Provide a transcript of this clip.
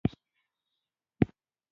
ښځمن ذهنيت مسلط کړي،